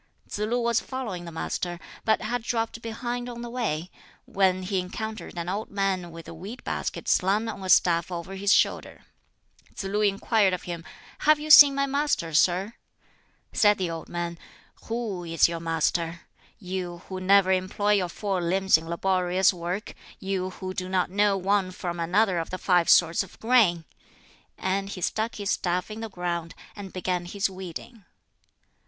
Tsz lu was following the Master, but had dropped behind on the way, when he encountered an old man with a weed basket slung on a staff over his shoulder. Tsz lu inquired of him, "Have you seen my Master, sir?" Said the old man, "Who is your master? you who never employ your four limbs in laborious work; you who do not know one from another of the five sorts of grain!" And he stuck his staff in the ground, and began his weeding.